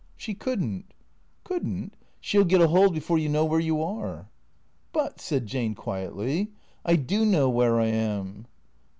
"She couldn't." " Could n't ? She '11 get a 'old before you know where you are." " But," said Jane quietly, " I do know where I am."